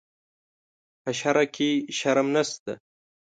په شرعه کې شرم نشته.